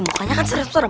pokoknya kan serem serem